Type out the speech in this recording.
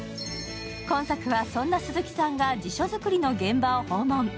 今作は、そんな鈴木さんが辞書作りの現場を訪問。